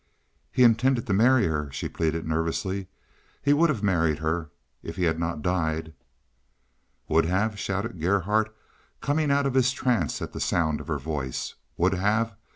"He intended to marry her," she pleaded nervously. "He would have married her if he had not died." "Would have!" shouted Gerhardt, coming out of his trance at the sound of her voice. "Would have!